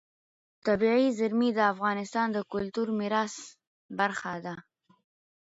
طبیعي زیرمې د افغانستان د کلتوري میراث برخه ده.